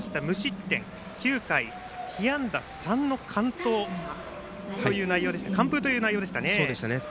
無失点、９回、被安打３の完封という内容でした。